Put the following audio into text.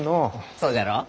そうじゃろう？